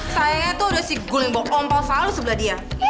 sayangnya tuh udah si guling bau ompel falu sebelah dia